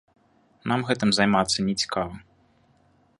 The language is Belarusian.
Нам гэтым займацца не цікава.